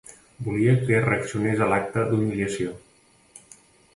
Volia que reaccionés a l’acte d’humiliació.